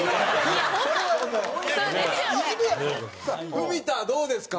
文田どうですか？